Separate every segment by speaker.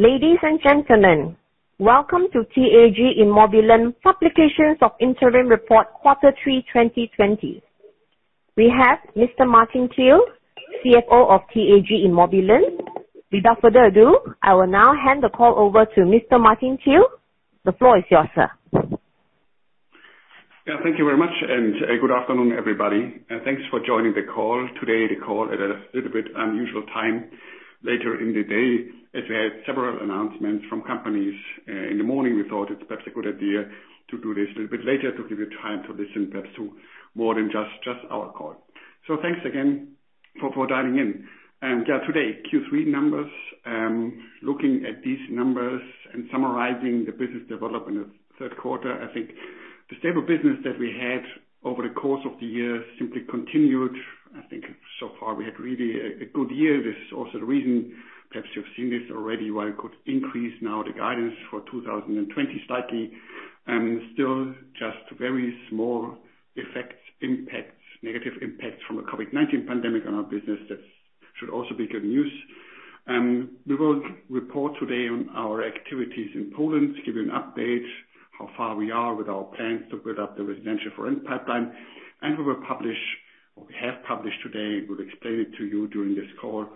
Speaker 1: Ladies and gentlemen, welcome to TAG Immobilien publications of interim report Q3 2020. We have Mr. Martin Thiel, CFO of TAG Immobilien. Without further ado, I will now hand the call over to Mr. Martin Thiel. The floor is yours, sir.
Speaker 2: Yeah, thank you very much and good afternoon, everybody, and thanks for joining the call today. The call at a little bit unusual time later in the day, as we had several announcements from companies in the morning. We thought it's perhaps a good idea to do this a little bit later to give you time to listen perhaps to more than just our call. Thanks again for dialing in. Yeah, today, Q3 numbers. Looking at these numbers and summarizing the business development of Q3, I think the stable business that we had over the course of the year simply continued. I think so far we had really a good year. This is also the reason, perhaps you've seen this already, why we could increase now the guidance for 2020 slightly. Still just very small effect impacts, negative impacts from the COVID-19 pandemic on our business. That should also be good news. We will report today on our activities in Poland to give you an update, how far we are with our plans to build up the residential foreign pipeline. We will publish or we have published today, we'll explain it to you during this call,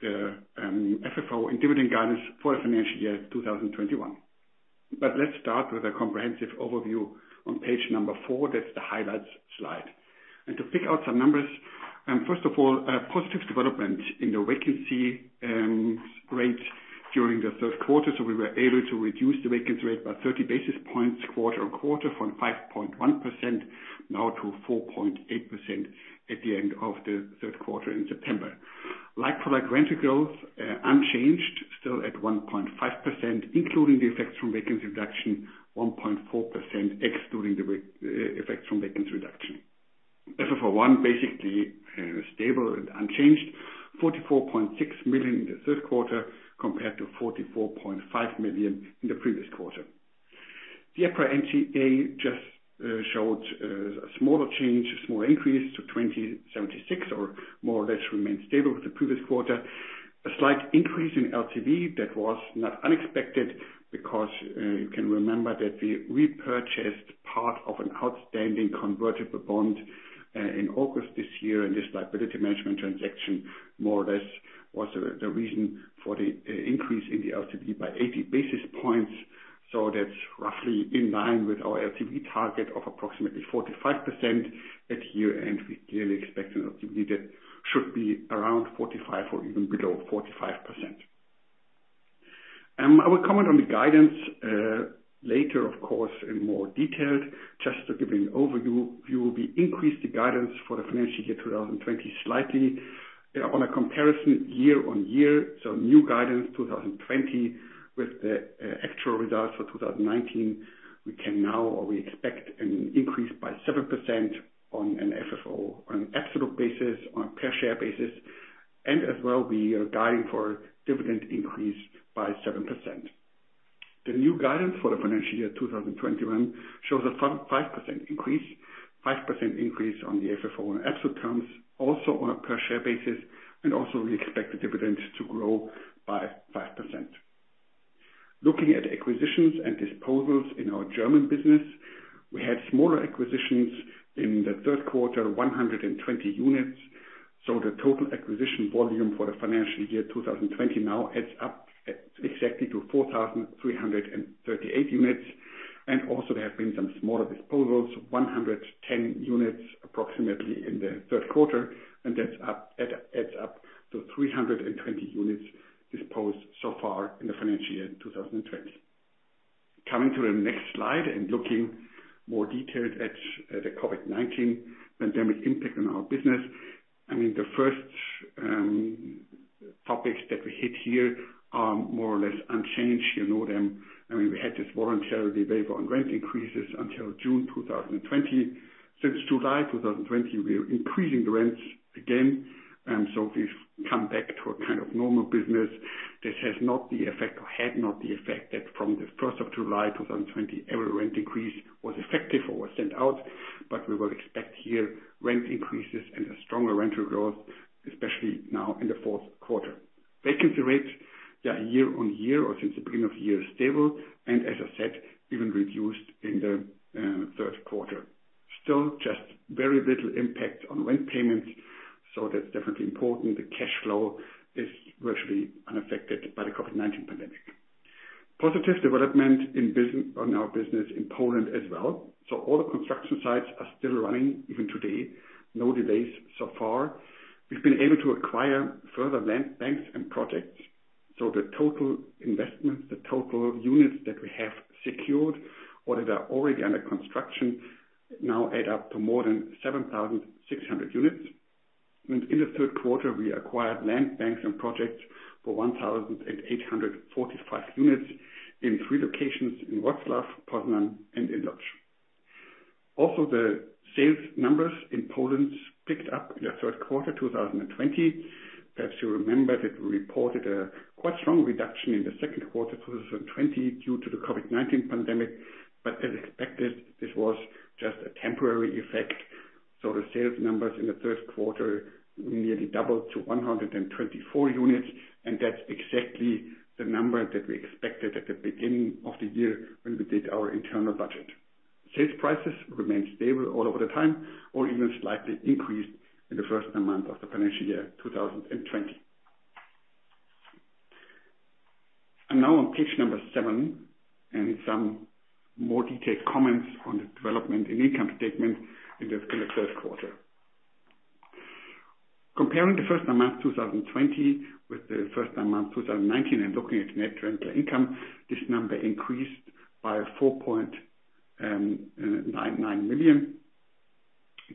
Speaker 2: the FFO and dividend guidance for the financial year 2021. Let's start with a comprehensive overview on page number four. That's the highlights slide. To pick out some numbers, first of all, a positive development in the vacancy rate during the Q3. We were able to reduce the vacancy rate by 30 basis points quarter-on-quarter from 5.1% now to 4.8% at the end of the Q3 in September. like-for-like rental growth, unchanged, still at 1.5%, including the effects from vacancy reduction 1.4% excluding the effects from vacancy reduction. FFO1 basically stable and unchanged. 44.6 million in the Q3 compared to 44.5 million in the previous quarter. The EPRA NTA just showed a smaller change, a small increase to 27.6 or more or less remained stable with the previous quarter. A slight increase in LTV that was not unexpected because you can remember that we repurchased part of an outstanding convertible bond in August this year, and this liability management transaction more or less was the reason for the increase in the LTV by 80 basis points. That's roughly in line with our LTV target of approximately 45% at year-end. We clearly expect an LTV that should be around 45% or even below 45%. I will comment on the guidance later of course in more detail. Just to give you an overview, we increased the guidance for the financial year 2020 slightly. On a comparison year-on-year, so new guidance 2020 with the actual results for 2019, we can now or we expect an increase by 7% on an FFO on absolute basis, on a per share basis, and as well we are guiding for dividend increase by 7%. The new guidance for the financial year 2021 shows a 5% increase. 5% increase on the FFO on absolute terms, also on a per share basis. Also we expect the dividend to grow by 5%. Looking at acquisitions and disposals in our German business, we had smaller acquisitions in the Q3, 120 units, the total acquisition volume for the financial year 2020 now adds up at exactly to 4,338 units. Also there have been some smaller disposals, 110 units approximately in the Q3. That adds up to 320 units disposed so far in the financial year 2020. Coming to the next slide and looking more detailed at the COVID-19 pandemic impact on our business. I mean, the first topics that we hit here are more or less unchanged. You know them. I mean, we had this voluntary waiver on rent increases until June 2020. Since July 2020, we are increasing the rents again. We've come back to a kind of normal business. This has not the effect or had not the effect that from the July 1st, 2020, every rent increase was effective or was sent out. We will expect here rent increases and a stronger rental growth, especially now in the Q4. Vacancy rates, year-over-year or since the beginning of the year, stable. As I said, even reduced in the Q3. Still just very little impact on rent payments. That's definitely important. The cash flow is virtually unaffected by the COVID-19 pandemic. Positive development on our business in Poland as well. All the construction sites are still running even today. No delays so far. We've been able to acquire further land banks and projects. The total investments, the total units that we have secured or that are already under construction now add up to more than 7,600 units. In the Q3, we acquired land banks and projects for 1,845 units in three locations in Wroclaw, Poznan and in Lodz. The sales numbers in Poland picked up in Q1 2020. Perhaps you remember that we reported a quite strong reduction in Q2 2020 due to the COVID-19 pandemic. As expected, this was just a temporary effect. The sales numbers in the Q3 nearly doubled to 124 units, and that's exactly the number that we expected at the beginning of the year when we did our internal budget. Sales prices remained stable all over the time or even slightly increased in the first month of the financial year 2020. Now on page number seven, and some more detailed comments on the development and income statement in the Q3. Comparing the first nine months, 2020 with the first nine months, 2019 and looking at net rental income, this number increased by 4.99 million.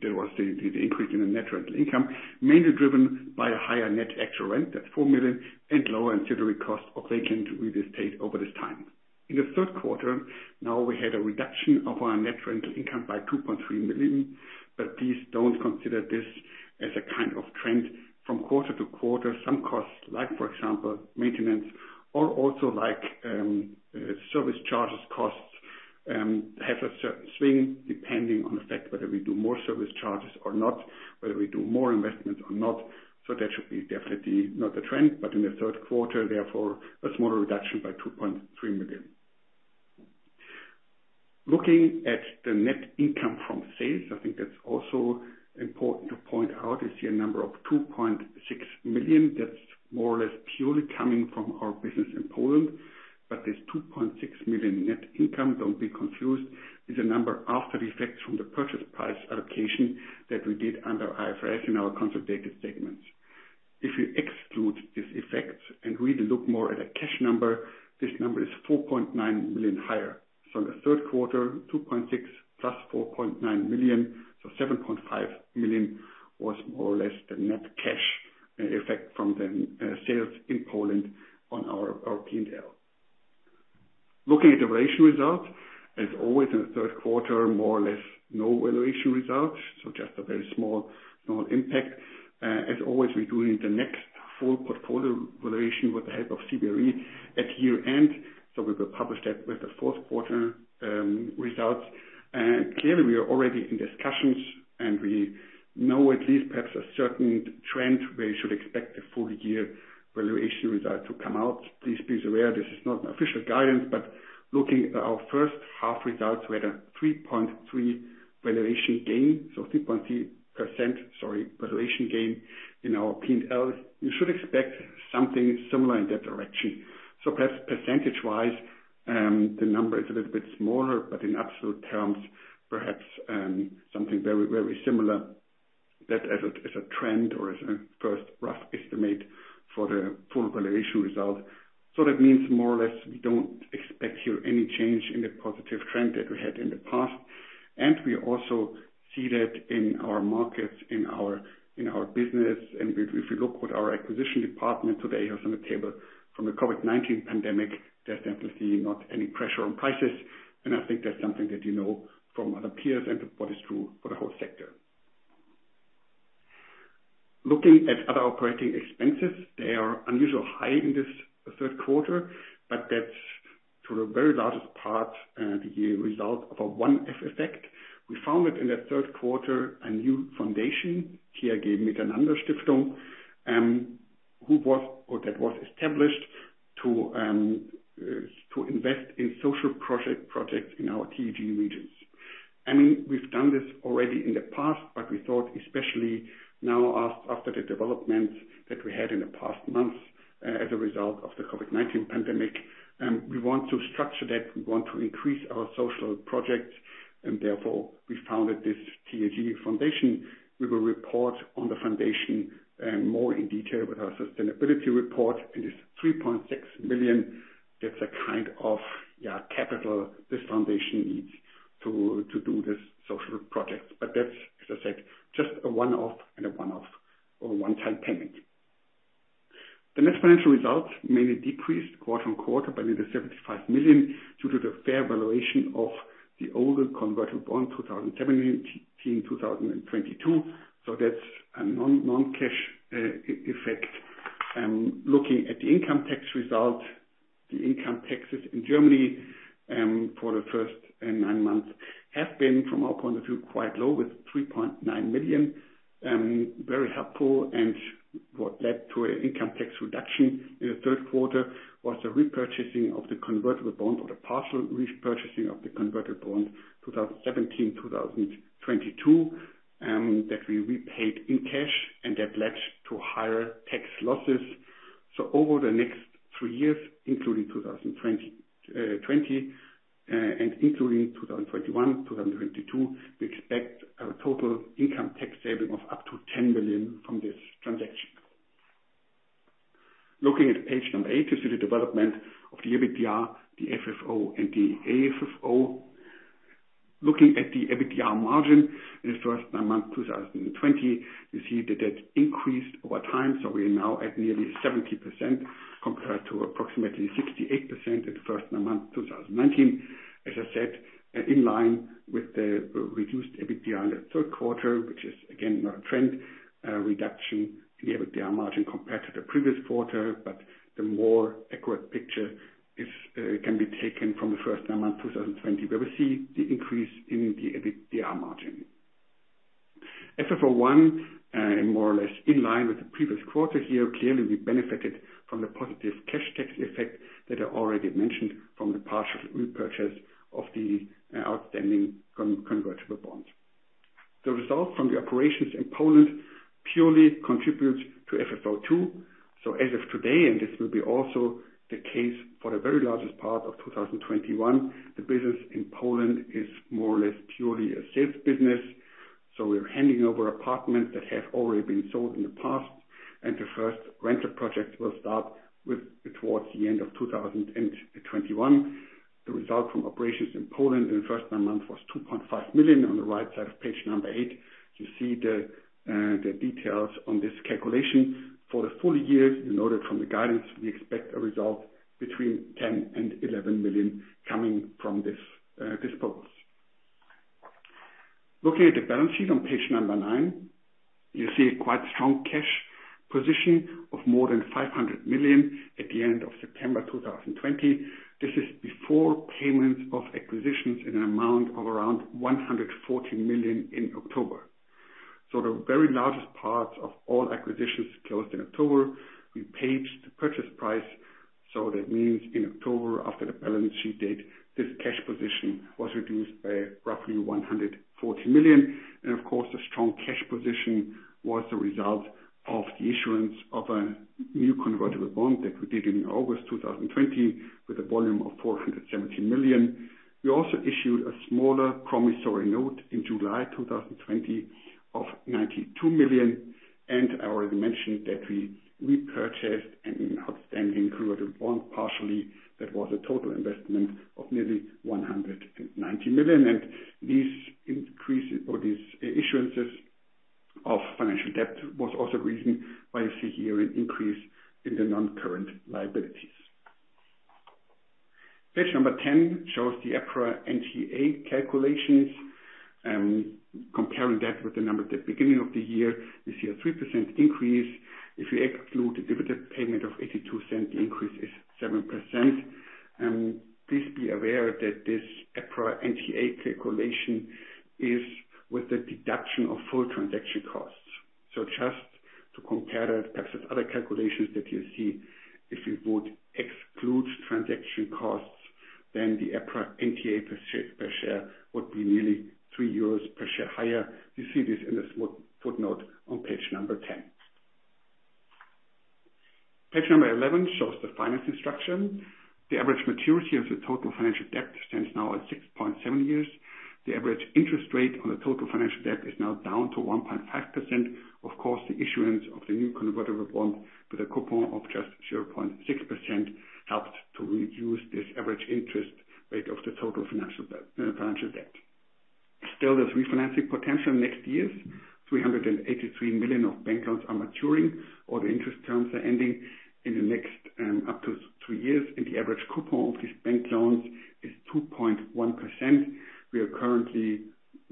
Speaker 2: There was the increase in the net rental income, mainly driven by a higher net actual rent, that's 4 million, and lower ancillary cost of vacant real estate over this time. In the Q3, now we had a reduction of our net rental income by 2.3 million. Please don't consider this as a kind of trend from quarter-to-quarter. Some costs, like for example, maintenance or also like service charges costs, have a certain swing depending on the fact whether we do more service charges or not, whether we do more investment or not. That should be definitely not a trend, but in the Q3, therefore, a smaller reduction by 2.3 million. Looking at the net income from sales, I think that's also important to point out. You see a number of 2.6 million. That's more or less purely coming from our business in Poland. This 2.6 million net income, don't be confused, is a number after effects from the purchase price allocation that we did under IFRS in our consolidated statements. If you exclude this effect and really look more at a cash number, this number is 4.9 million higher. In the Q3, 2.6 +4.9 million, so 7.5 million was more or less the net cash effect from the sales in Poland on our P&L. Looking at the valuation result, as always in the Q3, more or less no valuation result. Just a very small impact. As always, we're doing the next full portfolio valuation with the help of CBRE at year-end, so we will publish that with the Q4 results. Clearly, we are already in discussions and we know at least perhaps a certain trend where you should expect the full year valuation result to come out. Please be aware this is not official guidance, but looking at our H1 results, we had a 3.3 valuation gain, so 3.3% valuation gain in our P&L. You should expect something similar in that direction. Perhaps percentage-wise, the number is a little bit smaller, but in absolute terms, perhaps something very similar that as a trend or as a first rough estimate for the full valuation result. That means more or less, we don't expect here any change in the positive trend that we had in the past, and we also see that in our markets, in our business. If you look what our acquisition department today has on the table from the COVID-19 pandemic, they're simply seeing not any pressure on prices. I think that's something that you know from other peers and what is true for the whole sector. Looking at other operating expenses, they are unusually high in this Q3, but that's to a very large part, the result of a one-off effect. We founded in the Q3 a new foundation, TAG Miteinander Stiftung that was established to invest in social projects in our TAG Immobilien regions. We've done this already in the past, but we thought especially now after the developments that we had in the past months as a result of the COVID-19 pandemic, we want to structure that. We want to increase our social projects, and therefore, we founded this TAG foundation. We will report on the foundation more in detail with our sustainability report. It is 3.6 million. That's a kind of capital this foundation needs to do this social project. That's, as I said, just a one-off or a one-time payment. The net financial result mainly decreased quarter-over-quarter by nearly 75 million due to the fair valuation of the older convertible bond 2017-2022. That's a non-cash effect. Looking at the income tax result, the income taxes in Germany for the first nine months have been, from our point of view, quite low with 3.9 million. Very helpful. What led to an income tax reduction in the Q3 was the repurchasing of the convertible bond or the partial repurchasing of the convertible bond 2017-2022, that we repaid in cash, and that led to higher tax losses. Over the next three years, including 2020 and including 2021, 2022, we expect a total income tax saving of up to 10 million from this transaction. Looking at page number eight, you see the development of the EBITDA, the FFO and the AFFO. Looking at the EBITDA margin in the first nine months, 2020, you see that increased over time. We are now at nearly 70% compared to approximately 68% in the first nine months, 2019. As I said, in line with the reduced EBITDA in the Q3, which is again not a trend reduction in the EBITDA margin compared to the previous quarter. The more accurate picture can be taken from the first nine months, 2020, where we see the increase in the EBITDA margin. FFO1, more or less in line with the previous quarter here. Clearly, we benefited from the positive cash tax effect that I already mentioned from the partial repurchase of the outstanding convertible bonds. The results from the operations in Poland purely contributes to FFO 2. As of today, and this will be also the case for the very largest part of 2021, the business in Poland is more or less purely a sales business. We're handing over apartments that have already been sold in the past, and the first renter project will start towards the end of 2021. The result from operations in Poland in the first nine months was 2.5 million. On the right side of page eight, you see the details on this calculation. For the full year, you noted from the guidance, we expect a result between 10 million and 11 million coming from this dispose. Looking at the balance sheet on page nine, you see a quite strong cash position of more than 500 million at the end of September 2020. This is before payment of acquisitions in an amount of around 114 million in October. The very largest parts of all acquisitions closed in October. We paid the purchase price. That means in October, after the balance sheet date, this cash position was reduced by roughly 140 million. Of course, the strong cash position was the result of the issuance of a new convertible bond that we did in August 2020 with a volume of 470 million. We also issued a smaller promissory note in July 2020 of 92 million. I already mentioned that we repurchased an outstanding convertible bond partially. That was a total investment of nearly 190 million. These increases or these issuances of financial debt was also the reason why you see here an increase in the non-current liabilities. Page number 10 shows the EPRA NTA calculations. Comparing that with the number at the beginning of the year, you see a 3% increase. If we exclude the dividend payment of 0.82, the increase is 7%. Please be aware that this EPRA NTA calculation is with the deduction of full transaction costs. Just to compare that, perhaps with other calculations that you see, if you would exclude transaction costs, then the EPRA NTA per share would be nearly 3 euros per share higher. You see this in the footnote on page number 10. Page number 11 shows the financing structure. The average maturity of the total financial debt stands now at 6.7 years. The average interest rate on the total financial debt is now down to 1.5%. Of course, the issuance of the new convertible bond with a coupon of just 0.6% helped to reduce this average interest rate of the total financial debt. There's refinancing potential next year. 383 million of bank loans are maturing, or the interest terms are ending in the next up to two years. The average coupon of these bank loans is 2.1%. We are currently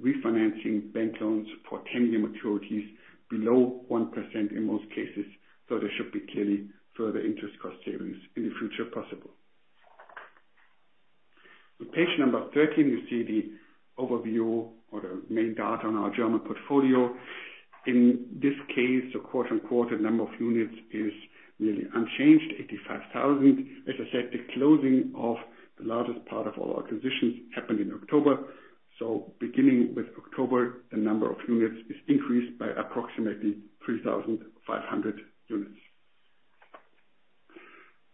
Speaker 2: refinancing bank loans for 10-year maturities below 1% in most cases. There should be clearly further interest cost savings in the future possible. On page number 13, you see the overview or the main data on our German portfolio. In this case, the quarter-on-quarter number of units is really unchanged, 85,000. As I said, the closing of the largest part of all our acquisitions happened in October. Beginning with October, the number of units is increased by approximately 3,500 units.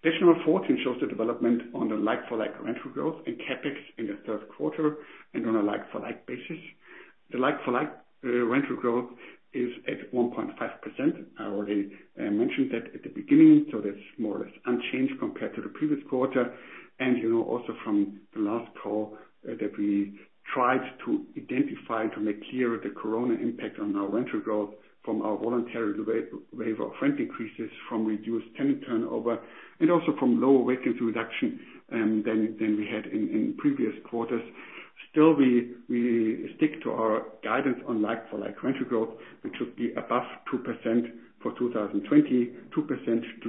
Speaker 2: Page number 14 shows the development on the like-for-like rental growth and CapEx in the Q3 and on a like-for-like basis. The like-for-like rental growth is at 1.5%. I already mentioned that at the beginning, that's more or less unchanged compared to the previous quarter. You know also from the last call that we tried to identify to make clear the COVID-19 impact on our rental growth from our voluntary waiver of rent increases from reduced tenant turnover and also from lower vacancy reduction than we had in previous quarters. Still, we stick to our guidance on like-for-like rental growth. It should be above 2% for 2020, 2%-2.5%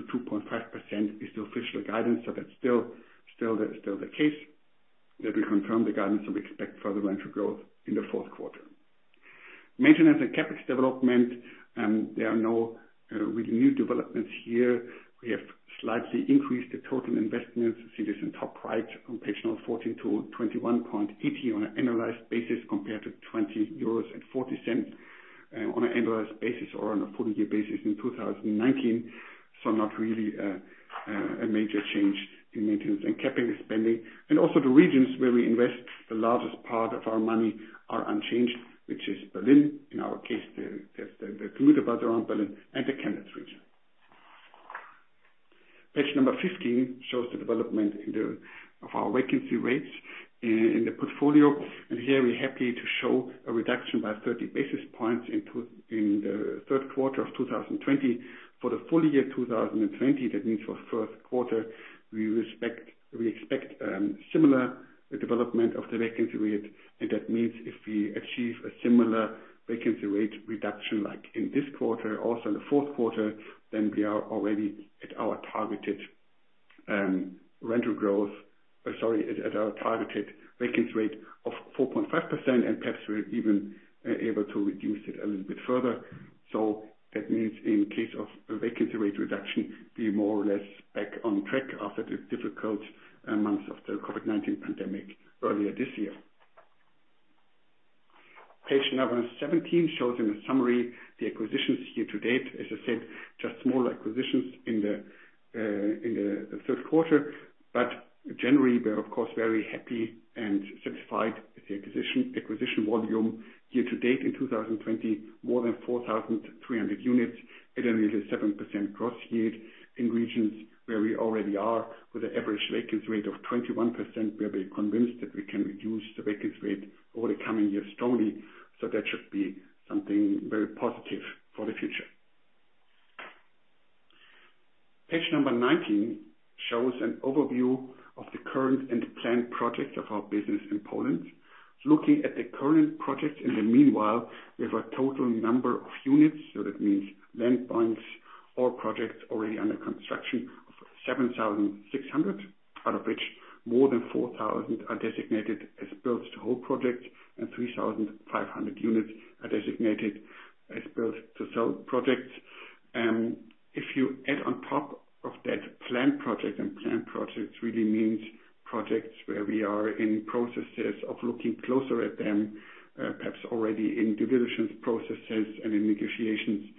Speaker 2: is the official guidance. That's still the case that we confirm the guidance that we expect for the rental growth in the Q4. Maintenance and CapEx development, there are no really new developments here. We have slightly increased the total investments. You see this in top right on page number 14 to 21.80 on an annualized basis compared to 20.40 euros on an annualized basis or on a full year basis in 2019. Not really a major change in maintenance and CapEx spending. Also the regions where we invest the largest part of our money are unchanged, which is Berlin, in our case, the community around Berlin and the Chemnitz region. Page number 15 shows the development of our vacancy rates in the portfolio. Here, we're happy to show a reduction by 30 basis points in the Q3 of 2020. For the full year 2020, that means for the Q1, we expect similar development of the vacancy rate. That means if we achieve a similar vacancy rate reduction like in this quarter, also in the Q4, then we are already at our targeted vacancy rate of 4.5%, and perhaps we're even able to reduce it a little bit further. That means in case of a vacancy rate reduction, be more or less back on track after the difficult months of the COVID-19 pandemic earlier this year. Page number 17 shows in a summary the acquisitions year-to-date. As I said, just small acquisitions in the Q3. Generally, we're of course, very happy and satisfied with the acquisition volume year-to-date in 2020, more than 4,300 units at a nearly 7% growth rate in regions where we already are with an average vacancy rate of 21%, where we're convinced that we can reduce the vacancy rate over the coming years strongly. That should be something very positive for the future. Page number 19 shows an overview of the current and planned projects of our business in Poland. Looking at the current projects in the meanwhile, we have a total number of units, so that means land banks or projects already under construction of 7,600, out of which more than 4,000 are designated as build-to-hold projects and 3,500 units are designated as build-to-sell projects. If you add on top of that planned projects, and planned projects really means projects where we are in processes of looking closer at them, perhaps already in due diligence processes and in negotiations,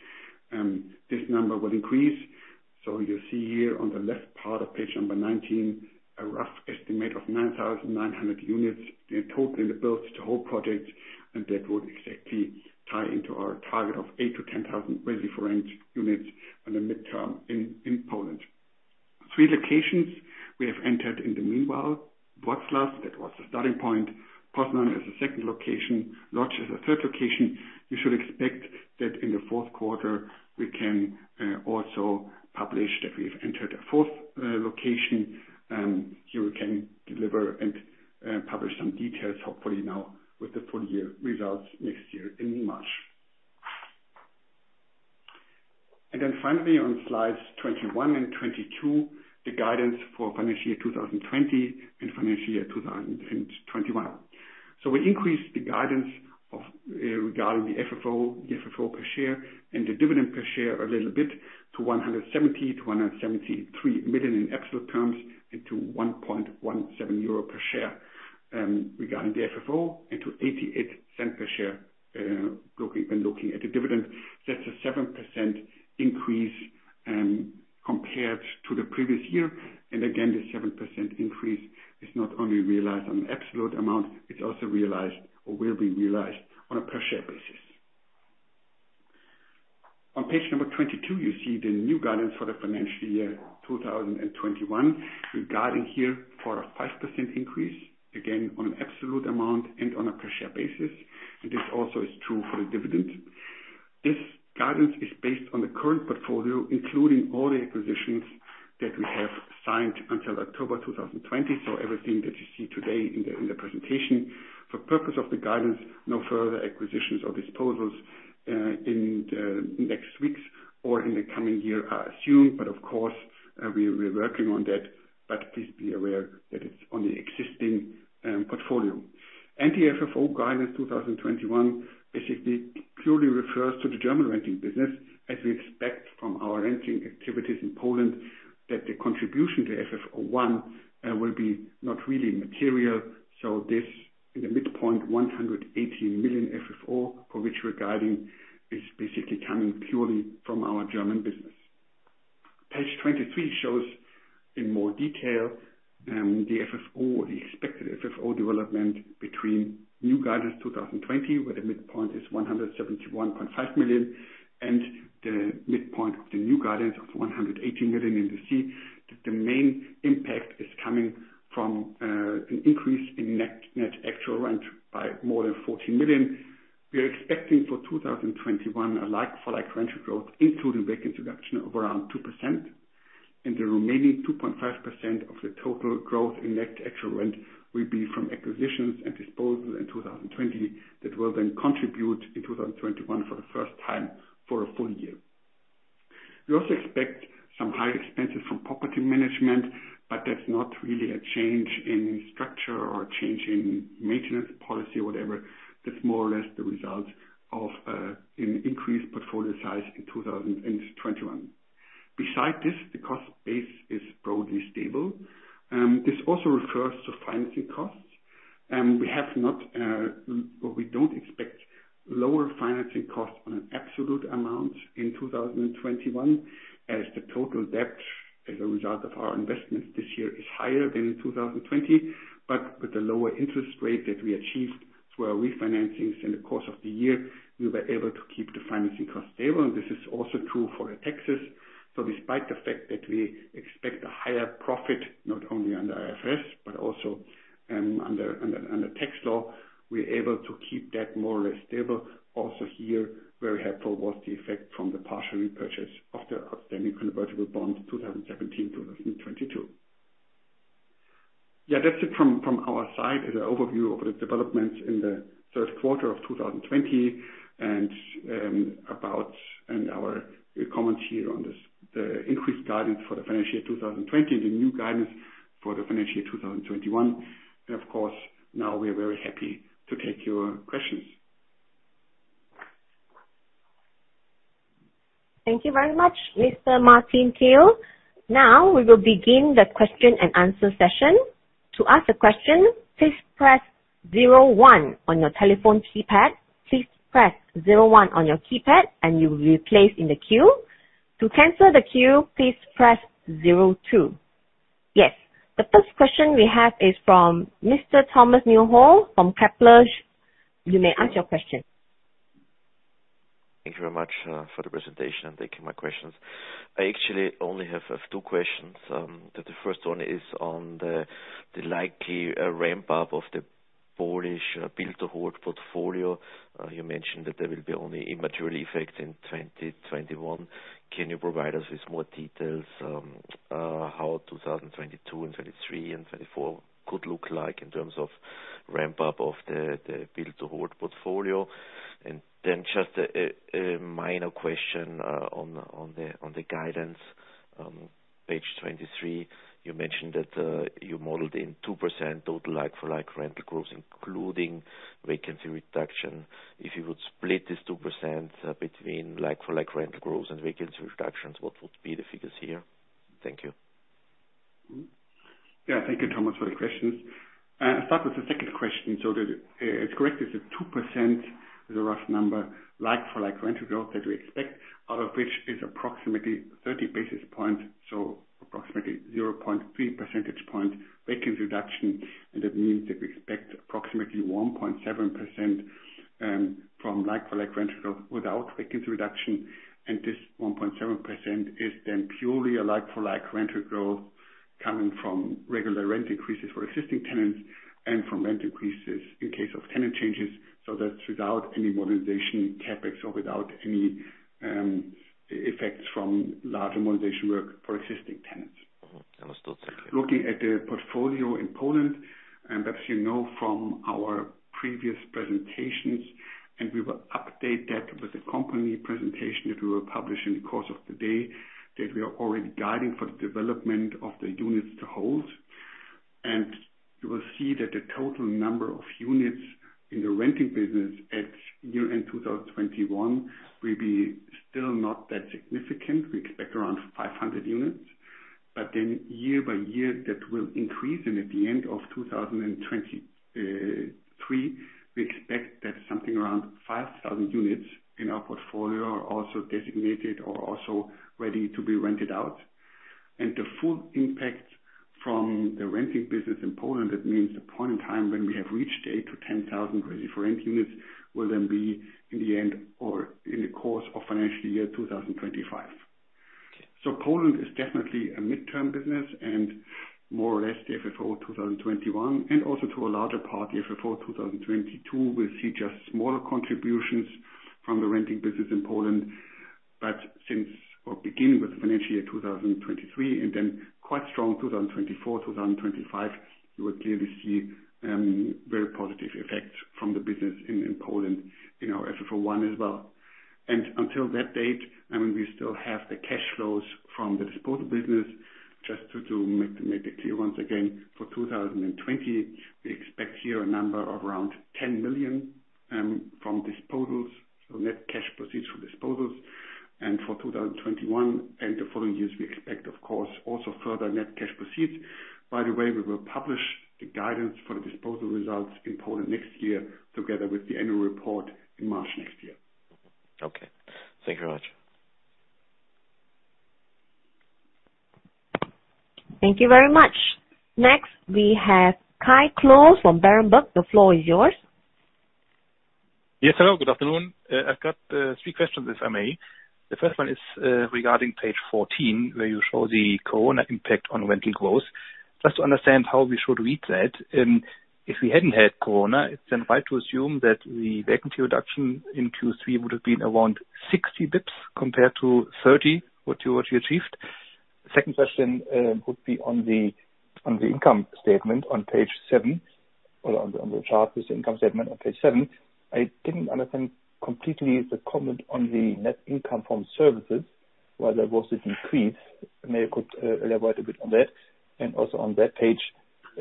Speaker 2: this number will increase. You see here on the left part of page number 19, a rough estimate of 9,900 units in total in the build-to-hold projects, and that would exactly tie into our target of 8,000-10,000 ready-for-rent units on the midterm in Poland. Three locations we have entered in the meanwhile. Wroclaw, that was the starting point. Poznan is the second location. Lodz is the third location. You should expect that in the Q4, we can also publish that we've entered a fourth location. Here we can deliver and publish some details, hopefully now with the full year results next year in March. Finally on slides 21 and 22, the guidance for financial year 2020 and financial year 2021. We increased the guidance regarding the FFO per share and the dividend per share a little bit to 170 million to 173 million in absolute terms and to 1.17 euro per share regarding the FFO and to 0.88 per share when looking at the dividend. That's a 7% increase compared to the previous year. Again, the 7% increase is not only realized on an absolute amount, it's also realized or will be realized on a per share basis. On page number 22, you see the new guidance for the financial year 2021. We're guiding here for a 5% increase, again, on an absolute amount and on a per share basis. This also is true for the dividend. This guidance is based on the current portfolio, including all the acquisitions that we have signed until October 2020. Everything that you see today in the presentation. For purpose of the guidance, no further acquisitions or disposals in the next weeks or in the coming year are assumed. Of course, we're working on that. Please be aware that it's on the existing portfolio. The FFO guidance 2021 basically purely refers to the German renting business as we expect from our renting activities in Poland that the contribution to FFO1 will be not really material. This in the midpoint, 118 million FFO for which we're guiding is basically coming purely from our German business. Page 23 shows in more detail the FFO or the expected FFO development between new guidance 2020, where the midpoint is 171.5 million and the midpoint of the new guidance of 118 million. You see that the main impact is coming from an increase in net actual rent by more than 14 million. We are expecting for 2021 a like-for-like rental growth including vacancy reduction of around 2%, and the remaining 2.5% of the total growth in net actual rent will be from acquisitions and disposal in 2020 that will then contribute in 2021 for the first time for a full year. We also expect some high expenses from property management, but that's not really a change in structure or a change in maintenance policy or whatever. That's more or less the result of an increased portfolio size in 2021. Besides this, the cost base is broadly stable. This also refers to financing costs. We don't expect lower financing costs on an absolute amount in 2021 as the total debt as a result of our investments this year is higher than in 2020. With the lower interest rate that we achieved through our refinancings in the course of the year, we were able to keep the financing costs stable, and this is also true for the taxes. Despite the fact that we expect a higher profit, not only under IFRS, but also under tax law, we're able to keep that more or less stable. Also here, very helpful was the effect from the partial repurchase of the outstanding convertible bonds 2017-2022. Yeah, that's it from our side. The overview of the developments in the Q3 of 2020 and our comments here on the increased guidance for the financial year 2020, the new guidance for the financial year 2021. Of course, now we're very happy to take your questions.
Speaker 1: Thank you very much, Mr. Martin Thiel. Now, we will begin the question-and-answer session. To ask a question, please press zero one on your telephone keypad. Please press zero one on your keypad and you will be placed in the queue. To cancel the queue, please press zero two. Yes. The first question we have is from Mr. Thomas Neuhold from Kepler Cheuvreux. You may ask your question.
Speaker 3: Thank you very much for the presentation and taking my questions. I actually only have two questions. The first one is on the likely ramp up of the Polish build-to-hold portfolio. You mentioned that there will be only a material effect in 2021. Can you provide us with more details on how 2022 and 2023 and 2024 could look like in terms of ramp up of the build-to-hold portfolio? Then just a minor question on the guidance on page 23. You mentioned that you modeled in 2% total like-for-like rental growth, including vacancy reduction. If you would split this 2% between like-for-like rental growth and vacancy reductions, what would be the figures here? Thank you.
Speaker 2: Yeah, thank you Thomas for the questions. I'll start with the second question. It's correct, it's a 2%, is a rough number, like-for-like rental growth that we expect, out of which is approximately 30 basis points, approximately 0.3 percentage point vacancy reduction. That means that we expect approximately 1.7% from like-for-like rental growth without vacancy reduction. This 1.7% is then purely a like-for-like rental growth coming from regular rent increases for existing tenants and from rent increases in case of tenant changes. That's without any modernization CapEx or without any effects from larger modernization work for existing tenants.
Speaker 3: That was the second-
Speaker 2: Looking at the portfolio in Poland, as you know from our previous presentations, we will update that with the company presentation that we will publish in the course of the day, that we are already guiding for the development of the build-to-hold. You will see that the total number of units in the renting business at year-end 2021 will be still not that significant. We expect around 500 units. Year-by-year, that will increase, and at the end of 2023, we expect that something around 5,000 units in our portfolio are also designated or also ready to be rented out. The full impact from the renting business in Poland, that means the point in time when we have reached the 8,000-10,000 ready for rent units, will then be in the end or in the course of financial year 2025. Poland is definitely a midterm business and more or less the FFO 2021, and also to a larger part, the FFO 2022 will see just smaller contributions from the renting business in Poland. Since we're beginning with the financial year 2023 and then quite strong 2024, 2025, you will clearly see very positive effects from the business in Poland in our FFO1 as well. Until that date, we still have the cash flows from the disposal business. Just to make that clear once again, for 2020, we expect here a number of around 10 million from disposals, so net cash proceeds from disposals. For 2021 and the following years, we expect, of course, also further net cash proceeds. By the way, we will publish the guidance for the disposal results in Poland next year together with the annual report in March next year.
Speaker 3: Okay. Thank you very much.
Speaker 1: Thank you very much. Next, we have Kai Klose from Berenberg. The floor is yours.
Speaker 4: Yes, hello, good afternoon. I've got three questions, if I may. The first one is regarding page 14, where you show the COVID-19 impact on rental growth. Just to understand how we should read that, if we hadn't had COVID-19, it's then right to assume that the vacancy reduction in Q3 would have been around 60 basis points compared to 30, what you achieved. Second question would be on the income statement on page seven or on the chart with the income statement on page seven. I didn't understand completely the comment on the net income from services, why there was this decrease. Maybe you could elaborate a bit on that. Also on that page,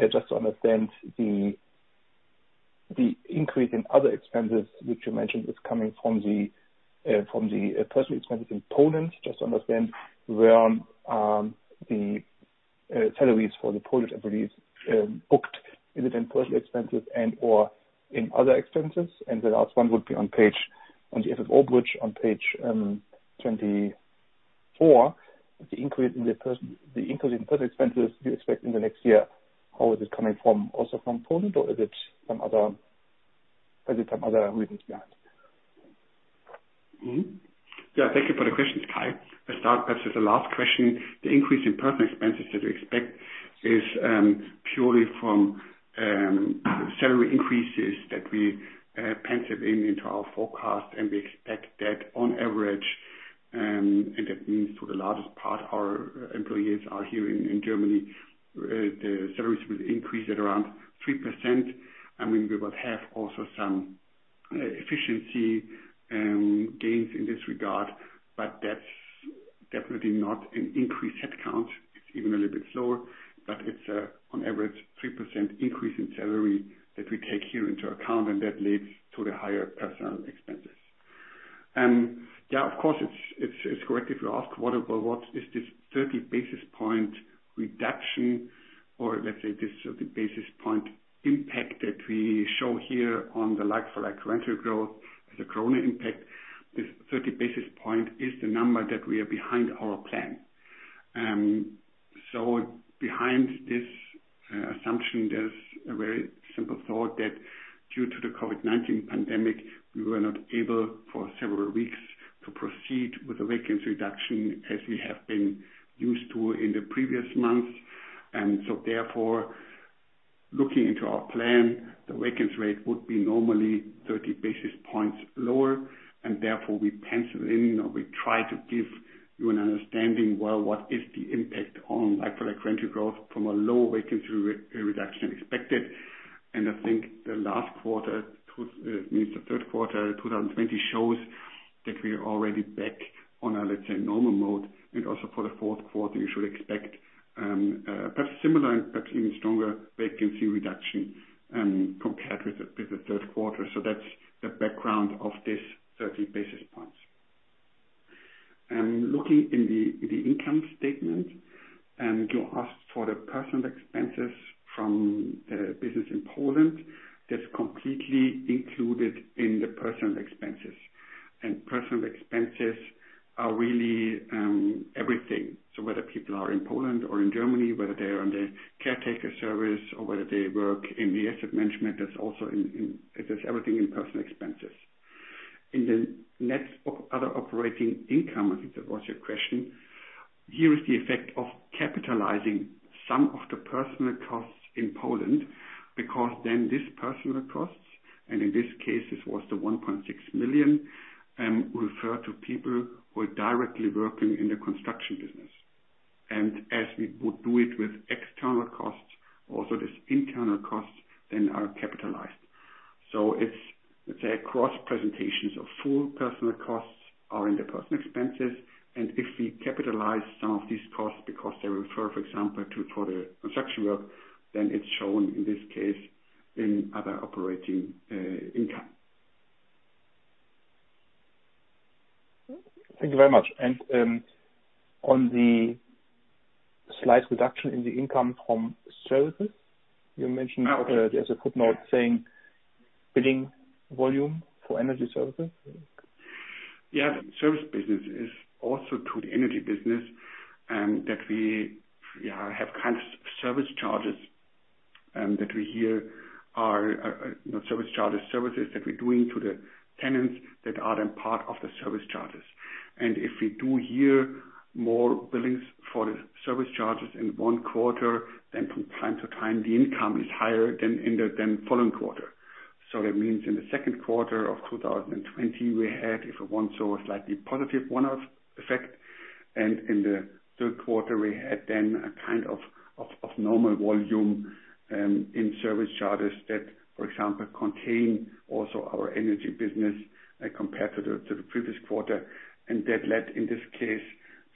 Speaker 4: just to understand the increase in other expenses, which you mentioned is coming from the personal expenses in Poland, just to understand where the salaries for the Polish employees booked, is it in personal expenses and/or in other expenses? The last one would be on the FFO bridge on page 24. The increase in personal expenses you expect in the next year, how is it coming from also from Poland, or are there some other reasons behind it?
Speaker 2: Yeah, thank you for the questions, Kai. I start perhaps with the last question. The increase in personal expenses that we expect is purely for salary increases that we penciled in into our forecast, and we expect that on average, and that means for the largest part, our employees are here in Germany, the salaries will increase at around 3%. We will have also some efficiency gains in this regard, but that's definitely not an increased head count. It's even a little bit slower, but it's on average 3% increase in salary that we take here into account, and that leads to the higher personal expenses. Yeah, of course it's correct if you ask, well, what is this 30 basis point reduction, or let's say this 30 basis point impact that we show here on the like-for-like rental growth as a COVID-19 impact. This 30 basis point is the number that we are behind our plan. Behind this assumption, there's a very simple thought that due to the COVID-19 pandemic, we were not able for several weeks to proceed with the vacants reduction as we have been used to in the previous months. Therefore, looking into our plan, the vacancy rate would be normally 30 basis points lower, and therefore we penciled in, or we try to give you an understanding, well, what is the impact on like-for-like rental growth from a low vacancy reduction expected. I think the last quarter, means the Q3 2020, shows that we are already back on a, let's say, normal mode. Also for the Q4, you should expect perhaps similar and perhaps even stronger vacancy reduction, compared with the Q3. That's the background of this 30 basis points. Looking in the income statement, you asked for the personal expenses from the business in Poland, that's completely included in the personal expenses. Personal expenses are really everything. Whether people are in Poland or in Germany, whether they are on the caretaker service or whether they work in the asset management, it is everything in personal expenses. In the net other operating income, I think that was your question. Here is the effect of capitalizing some of the personal costs in Poland, because this personal costs, and in this case, this was the 1.6 million, refer to people who are directly working in the construction business. As we would do it with external costs, also this internal costs are capitalized. It's, let's say, a cross presentations of full personal costs are in the personal expenses. If we capitalize some of these costs because they refer, for example, for the construction work, then it's shown, in this case, in other operating income.
Speaker 4: Thank you very much. On the slight reduction in the income from services, you mentioned there's a footnote saying billing volume for energy services.
Speaker 2: Yeah. Service business is also to the energy business, that we have kind of service charges services that we're doing to the tenants that are then part of the service charges. If we do hear more billings for the service charges in one quarter, then from time to time, the income is higher than following quarter. That means in the Q2 of 2020, we had, if you want, saw a slightly positive one-off effect. In the Q3, we had then a kind of normal volume in service charges that, for example, contain also our energy business compared to the previous quarter. That led, in this case,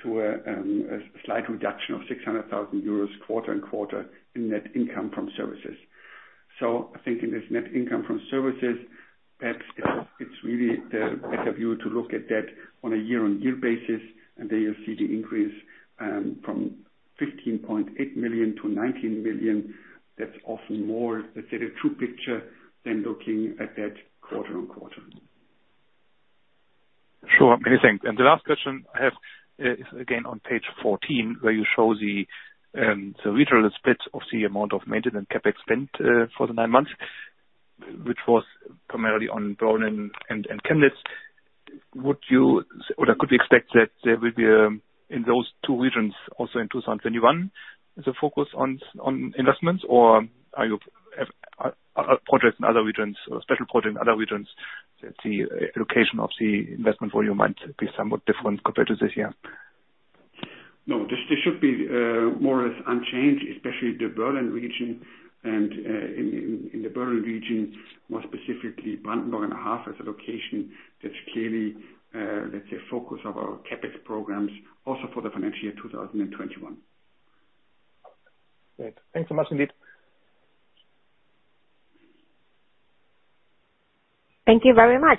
Speaker 2: to a slight reduction of 600,000 euros quarter-on-quarter in net income from services. I think in this net income from services, perhaps it's really the better view to look at that on a year-on-year basis, and there you'll see the increase from 15.8 million-19 million. That's often more, let's say, the true picture than looking at that quarter-on-quarter.
Speaker 4: Sure. Many thanks. The last question I have is again on page 14, where you show the regional splits of the amount of maintenance CapEx spend for the nine months, which was primarily on Berlin and Chemnitz. Could we expect that there will be, in those two regions also in 2021, the focus on investments? Or are you have projects in other regions, or special projects in other regions, that the location of the investment volume might be somewhat different compared to this year?
Speaker 2: No. This should be more or less unchanged, especially the Berlin region. In the Berlin region, more specifically, Brandenburg and Havel as a location, that's clearly, let's say, focus of our CapEx programs also for the financial year 2021.
Speaker 4: Great. Thanks so much, indeed.
Speaker 1: Thank you very much.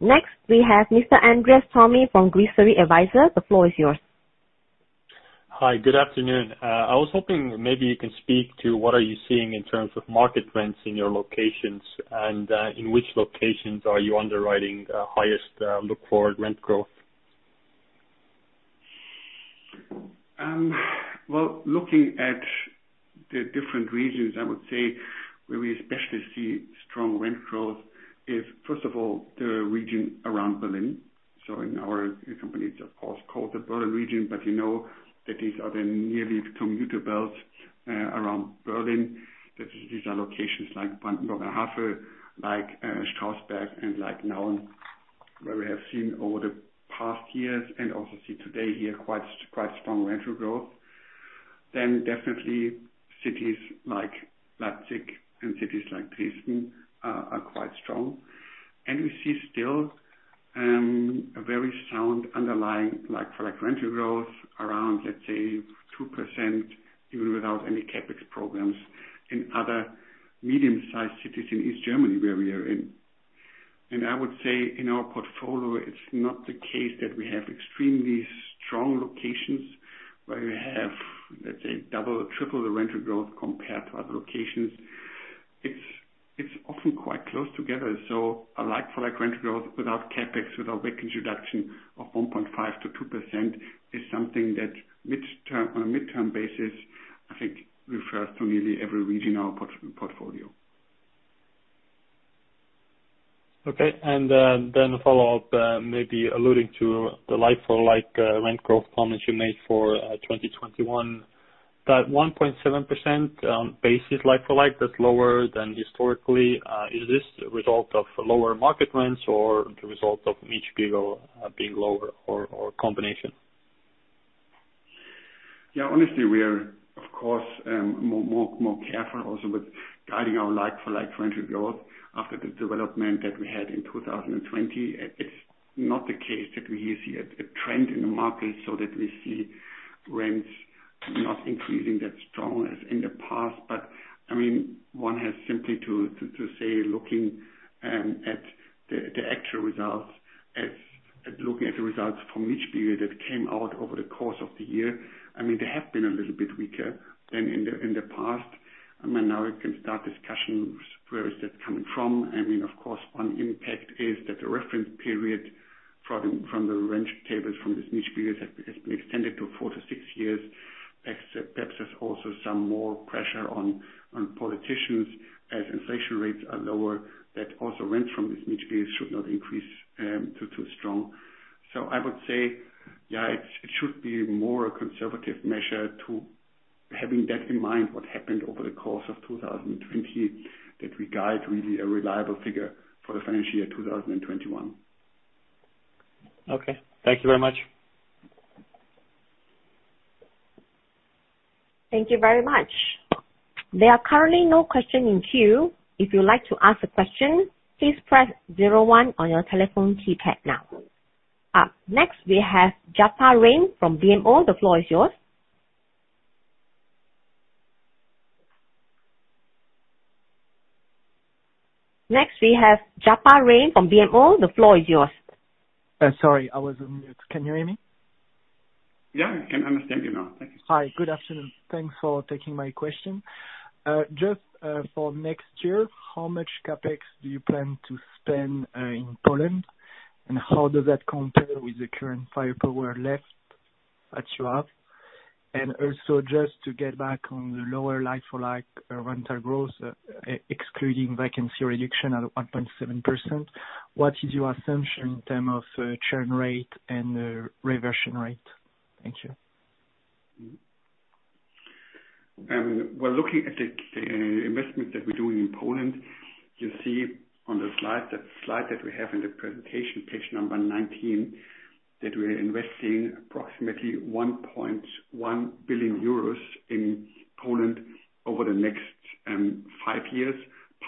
Speaker 1: Next, we have Mr. Andreas Thomi from Gliserii Advisory. The floor is yours.
Speaker 5: Hi, good afternoon. I was hoping maybe you can speak to what are you seeing in terms of market rents in your locations, and in which locations are you underwriting highest look-forward rent growth?
Speaker 2: Looking at the different regions, I would say where we especially see strong rent growth is first of all, the region around Berlin. In our company, it's of course called the Berlin region, but you know that these are the nearly commuter belts around Berlin. These are locations like Brandenburg an der Havel, like Strausberg, and like Nauen, where we have seen over the past years, and also see today here quite strong rental growth. Definitely cities like Leipzig and cities like Dresden are quite strong. We see still a very sound underlying like-for-like rental growth around, let's say, 2%, even without any CapEx programs in other medium-sized cities in East Germany where we are in. I would say in our portfolio, it's not the case that we have extremely strong locations where we have, let's say, double or triple the rental growth compared to other locations. It's often quite close together. A like-for-like rental growth without CapEx, without vacancy reduction of 1.5%-2% is something that on a midterm basis, I think refers to nearly every region in our portfolio.
Speaker 5: Okay. A follow-up, maybe alluding to the like-for-like rental growth comments you made for 2021. That 1.7% on basis, like-for-like, that's lower than historically. Is this a result of lower market rents or the result of being lower or a combination?
Speaker 2: Honestly, we are, of course, more careful also with guiding our like-for-like rental growth after the development that we had in 2020. It's not the case that we see a trend in the market that we see rents not increasing that strong as in the past. One has simply to say, looking at the actual results, looking at the results from that came out over the course of the year, they have been a little bit weaker than in the past. Now we can start discussions, where is that coming from? Of course, one impact is that the reference period from the rent tables from this has been extended to four to six years. Perhaps there's also some more pressure on politicians as inflation rates are lower, that also rent from this niche period should not increase too strong. I would say, it should be more a conservative measure to having that in mind what happened over the course of 2020, that we guide really a reliable figure for the financial year 2021.
Speaker 5: Okay. Thank you very much.
Speaker 1: Thank you very much. There are currently no question in queue. If you like to ask a question, please press zero on your telephone keypad now. Up next, we have Japa Rein from BMO. The floor is yours.
Speaker 6: Sorry, I was on mute. Can you hear me?
Speaker 2: Yeah, I understand you now. Thank you.
Speaker 6: Hi. Good afternoon. Thanks for taking my question. Just for next year, how much CapEx do you plan to spend in Poland? How does that compare with the current firepower left that you have? Also just to get back on the lower like-for-like rental growth, excluding vacancy reduction at 1.7%, what is your assumption in terms of churn rate and reversion rate? Thank you.
Speaker 2: Looking at the investment that we're doing in Poland, you see on the slide that we have in the presentation, page number 119, that we're investing approximately 1.1 billion euros in Poland over the next five years.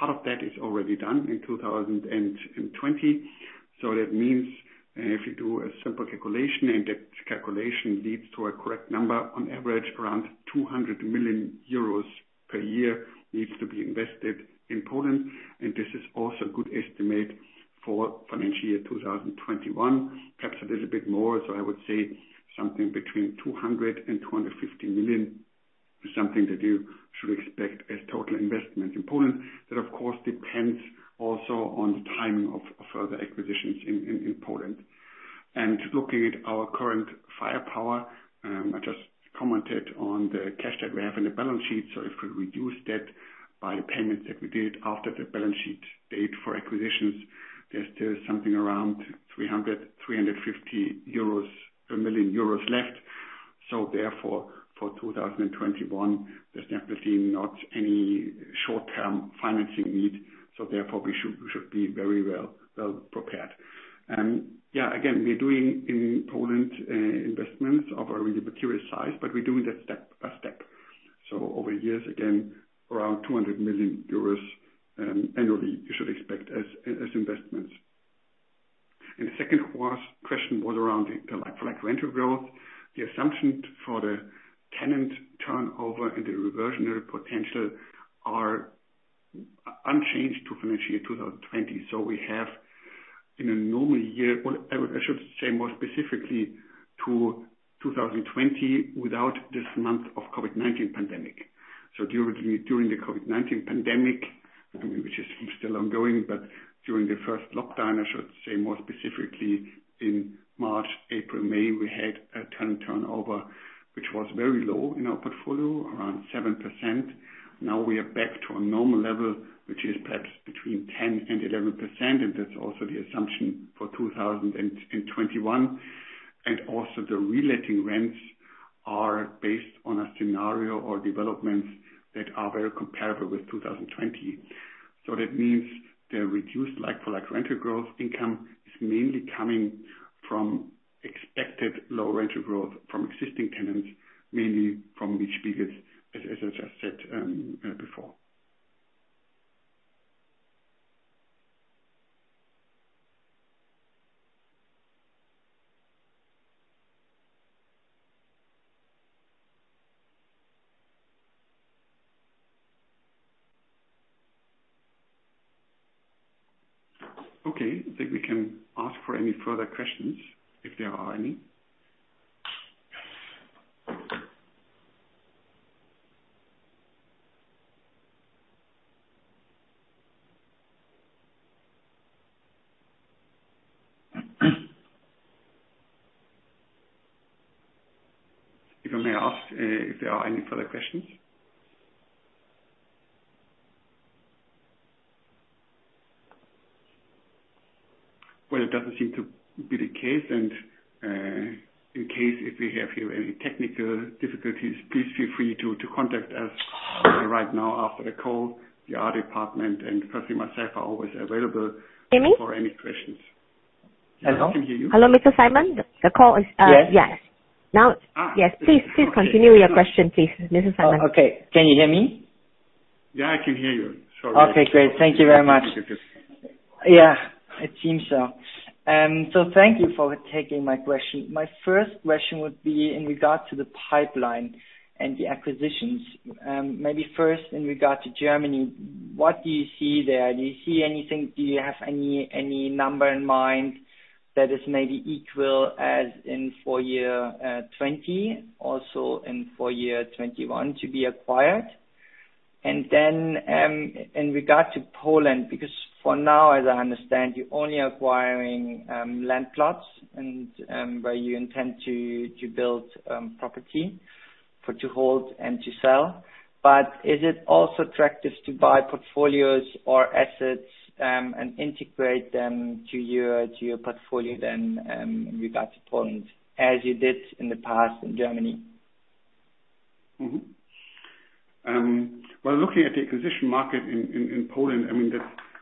Speaker 2: Part of that is already done in 2020. That means if you do a simple calculation and that calculation leads to a correct number, on average around 200 million euros per year needs to be invested in Poland. This is also a good estimate for financial year 2021. Perhaps a little bit more. I would say something between 200 million and 250 million is something that you should expect as total investment in Poland. That, of course, depends also on the timing of further acquisitions in Poland. Looking at our current firepower, I just commented on the cash that we have in the balance sheet, so if we reduce that by the payments that we did after the balance sheet date for acquisitions, there's still something around 300 million euros, EUR 350 million left. Therefore, for 2021, there's definitely not any short-term financing need. Therefore, we should be very well prepared. Again, we're doing in Poland investments of a really material size, but we're doing that step by step. Over years, again, around 200 million euros annually, you should expect as investments. The second question was around the like-for-like rental growth. The assumption for the tenant turnover and the reversionary potential are unchanged to financial year 2020. We have in a normal year Well, I should say more specifically to 2020 without this month of COVID-19 pandemic. During the COVID-19 pandemic, which is still ongoing, but during the first lockdown, I should say more specifically in March, April, May, we had a tenant turnover which was very low in our portfolio, around 7%. Now we are back to a normal level, which is perhaps between 10% and 11%, and that's also the assumption for 2021. Also the reletting rents. Are based on a scenario or developments that are very comparable with 2020. That means the reduced like-for-like rental growth income is mainly coming from expected low rental growth from existing tenants, mainly from Chemnitz region, as I just said before. Okay, I think we can ask for any further questions if there are any. If I may ask if there are any further questions. It doesn't seem to be the case. In case if we have here any technical difficulties, please feel free to contact us right now after the call. The other department and personally myself are always available, for any questions. Hello? I can hear you.
Speaker 1: Hello, Mr. Simon. The call is. Yes.
Speaker 7: Yes.
Speaker 1: Now it's. Yes. Please continue your question, please, Mr. Simon.
Speaker 7: Okay. Can you hear me?
Speaker 2: Yeah, I can hear you. Sorry.
Speaker 7: Okay, great. Thank you very much. Yeah, it seems so. Thank you for taking my question. My first question would be in regard to the pipeline and the acquisitions. Maybe first in regard to Germany, what do you see there? Do you see anything? Do you have any number in mind that is maybe equal as in full year 2020, also in full year 2021 to be acquired? In regard to Poland, because for now, as I understand, you're only acquiring land plots and where you intend to build property for to hold and to sell. Is it also attractive to buy portfolios or assets, and integrate them to your portfolio then, in regard to Poland, as you did in the past in Germany?
Speaker 2: Well, looking at the acquisition market in Poland,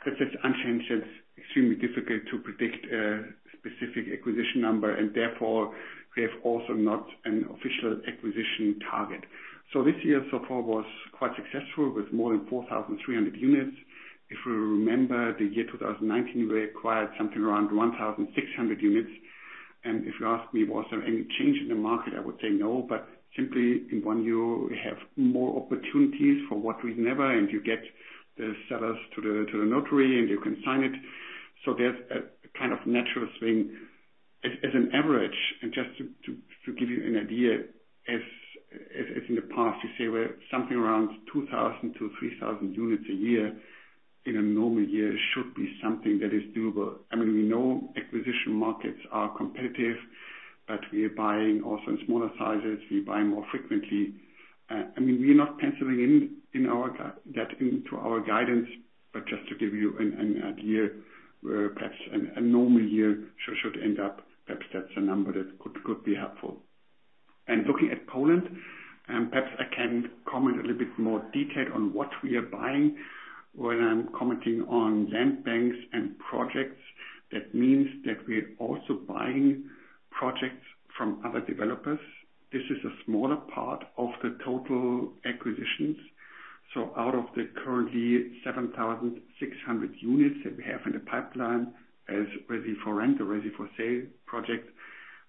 Speaker 2: that's just unchanged. It's extremely difficult to predict a specific acquisition number, and therefore, we have also not an official acquisition target. This year so far was quite successful with more than 4,300 units. If we remember the year 2019, we acquired something around 1,600 units. If you ask me, was there any change in the market? I would say no, but simply in one year, we have more opportunities for what reason ever, and you get the sellers to the notary, and you can sign it. There's a kind of natural swing. As an average, and just to give you an idea, as in the past, you say where something around 2,000-3,000 units a year in a normal year should be something that is doable. We know acquisition markets are competitive, but we are buying also in smaller sizes. We buy more frequently. We're not penciling that into our guidance. Just to give you an idea where perhaps a normal year should end up, perhaps that's a number that could be helpful. Looking at Poland, perhaps I can comment a little bit more detailed on what we are buying. When I'm commenting on land banks and projects, that means that we're also buying projects from other developers. This is a smaller part of the total acquisitions. Out of the currently 7,600 units that we have in the pipeline as ready-for-rent or ready-for-sale project,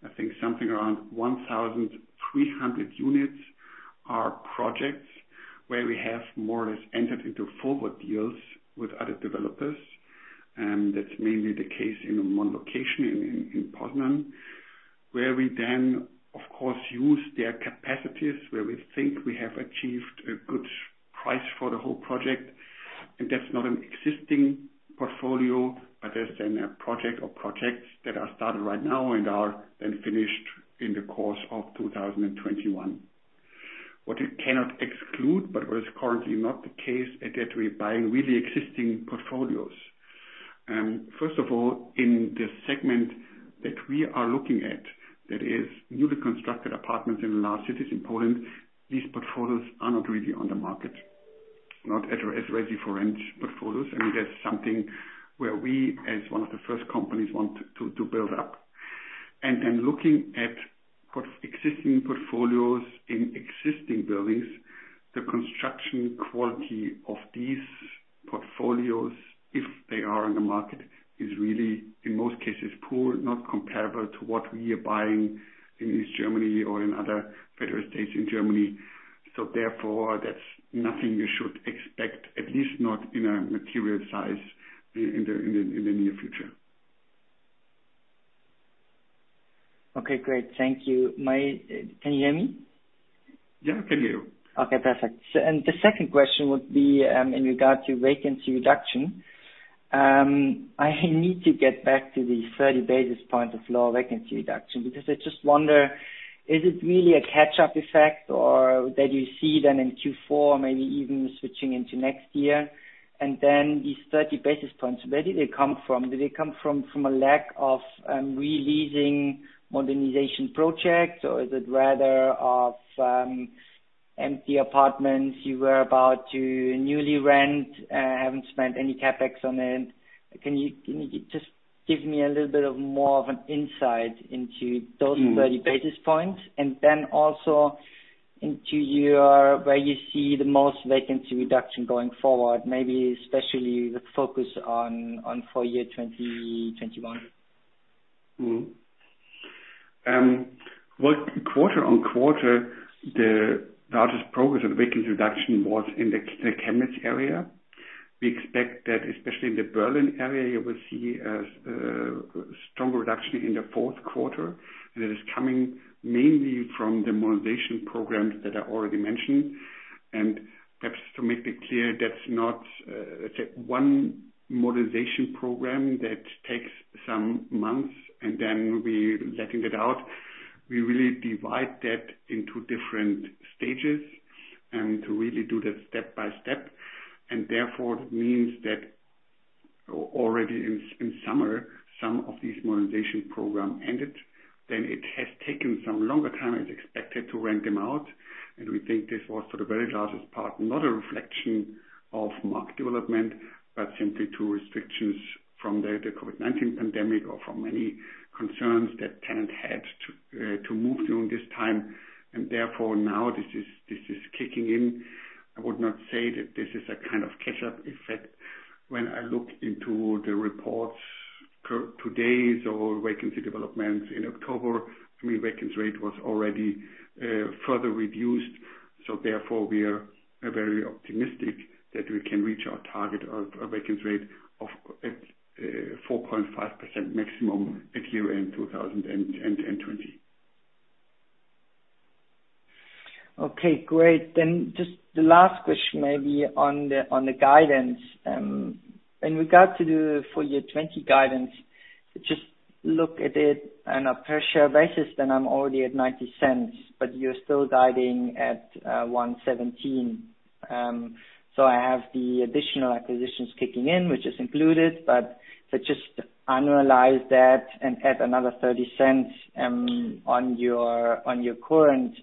Speaker 2: I think something around 1,300 units are projects where we have more or less entered into forward deals with other developers. That's mainly the case in one location in Poznań, where we then of course, use their capacities, where we think we have achieved a good price for the whole project. That's not an existing portfolio, but that's then a project or projects that are started right now and are then finished in the course of 2021. What we cannot exclude, but what is currently not the case, that we're buying really existing portfolios. First of all, in the segment that we are looking at, that is newly constructed apartments in large cities in Poland, these portfolios are not really on the market, not as ready-for-rent portfolios. That's something where we, as one of the first companies want to build up. Looking at existing portfolios in existing buildings, the construction quality of these portfolios, if they are on the market, is really, in most cases, poor, not comparable to what we are buying in East Germany or in other federal states in Germany. Therefore, that's nothing we should expect, at least not in a material size in the near future.
Speaker 7: Okay, great. Thank you. Can you hear me?
Speaker 2: Yeah, I can hear you.
Speaker 7: Okay, perfect. The second question would be, in regard to vacancy reduction. I need to get back to the 30 basis points of low vacancy reduction, because I just wonder, is it really a catch-up effect or that you see then in Q4 maybe even switching into next year? These 30 basis points, where do they come from? Do they come from a lack of re-leasing modernization projects? Or is it rather empty apartments you were about to newly rent, haven't spent any CapEx on it? Can you just give me a little bit of more of an insight into those 30 basis points, and then also into where you see the most vacancy reduction going forward, maybe especially the focus on full year 2021.
Speaker 2: Quarter-on-quarter, the largest progress of vacancy reduction was in the Chemnitz region. We expect that especially in the Berlin area, you will see a strong reduction in the Q4, and it is coming mainly from the modernization programs that I already mentioned. Perhaps to make that clear, that's not one modernization program that takes some months and then we letting it out. We really divide that into different stages and to really do that step by step. Therefore it means that already in summer, some of these modernization program ended. It has taken some longer time as expected to rent them out. We think this was for the very largest part, not a reflection of market development, but simply to restrictions from the COVID-19 pandemic or from any concerns that tenant had to move during this time. Therefore now this is kicking in. I would not say that this is a kind of catch-up effect when I look into the reports to-date or vacancy developments in October, I mean, vacancy rate was already further reduced. Therefore we are very optimistic that we can reach our target of a vacancy rate of at 4.5% maximum at year-end 2020.
Speaker 7: Okay, great. Just the last question maybe on the guidance. In regard to the full year 2020 guidance, just look at it on a per share basis, I'm already at 0.90, you're still guiding at 1.17. I have the additional acquisitions kicking in, which is included, just annualize that and add another 0.30 on your current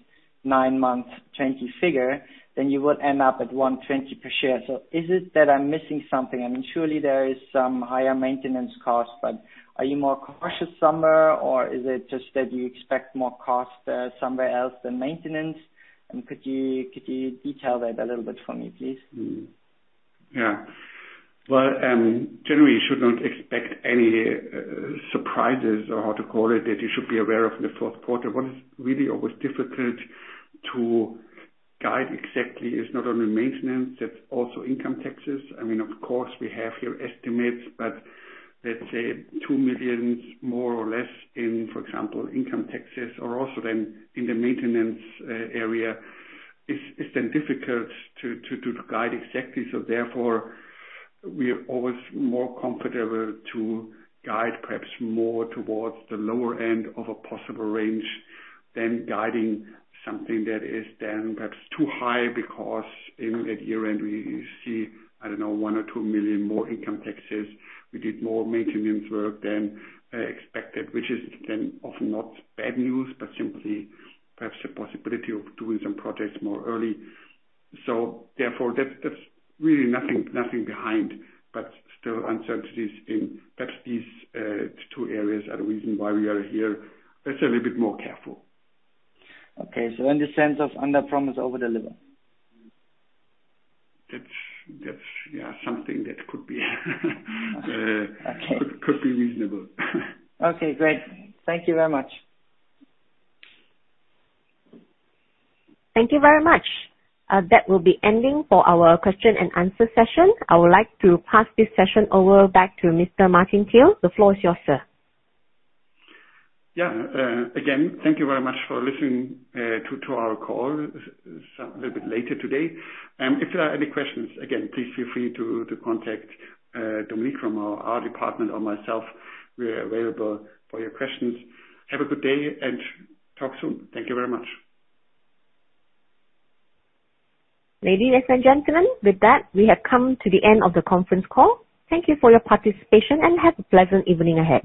Speaker 7: nine-month 2020 figure, you would end up at 1.20 per share. Is it that I'm missing something? I mean, surely there is some higher maintenance cost, are you more cautious somewhere, or is it just that you expect more cost somewhere else than maintenance? Could you detail that a little bit for me, please?
Speaker 2: Yeah. Well, generally you should not expect any surprises or how to call it that you should be aware of in the Q4. What is really always difficult to guide exactly is not only maintenance, that's also income taxes. I mean, of course we have here estimates, but let's say 2 million more or less in, for example, income taxes or also then in the maintenance area is then difficult to guide exactly. Therefore, we are always more comfortable to guide perhaps more towards the lower end of a possible range than guiding something that is then perhaps too high because even at year end we see, I don't know, 1 million or 2 million more income taxes. We did more maintenance work than expected, which is then often not bad news, but simply perhaps the possibility of doing some projects more early. Therefore that's really nothing behind, but still uncertainties in perhaps these two areas are the reason why we are here, let's say a little bit more careful.
Speaker 7: Okay. In the sense of under promise, over deliver.
Speaker 2: That's, yeah, something that could be.
Speaker 7: Okay.
Speaker 2: Could be reasonable.
Speaker 7: Okay, great. Thank you very much.
Speaker 1: Thank you very much. That will be ending for our question-and-answer session. I would like to pass this session over back to Mr. Martin Thiel. The floor is yours, sir.
Speaker 2: Yeah. Again, thank you very much for listening to our call a little bit later today. If there are any questions, again, please feel free to contact Dominique from our IR department or myself. We're available for your questions. Have a good day and talk soon. Thank you very much.
Speaker 1: Ladies and gentlemen, with that, we have come to the end of the conference call. Thank you for your participation and have a pleasant evening ahead.